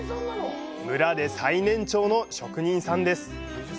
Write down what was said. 村で最年長の職人さんです。